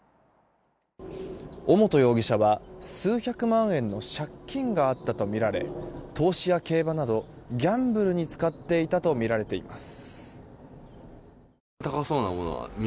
尾本容疑者は数百万円の借金があったとみられ投資や競馬などギャンブルに使っていたとみられています。